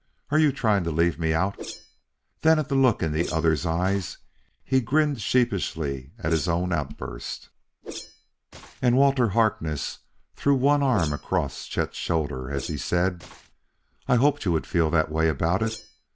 "Are you trying to leave me out?" Then at the look in the other's eyes he grinned sheepishly at his own outburst. And Walter Harkness threw one arm across Chet's shoulder as he said; "I hoped you would feel that way about it.